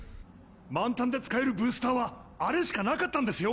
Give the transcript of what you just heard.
⁉満タンで使えるブースターはあれしかなかったんですよ？